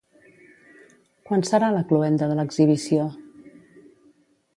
Quan serà la cloenda de l'exhibició?